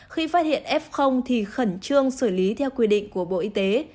khi phát hiện f thì khẩn trương xử lý theo quy định của bộ y tế